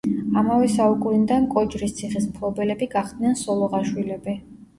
ამავე საუკუნიდან კოჯრის ციხის მფლობელები გახდნენ სოლოღაშვილები.